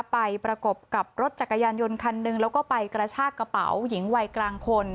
ประกบกับรถจักรยานยนต์คันหนึ่งแล้วก็ไปกระชากระเป๋าหญิงวัยกลางคน